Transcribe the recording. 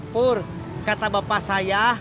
pur kata bapak saya